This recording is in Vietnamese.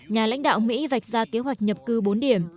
nhà lãnh đạo mỹ vạch ra kế hoạch nhập cư bốn điểm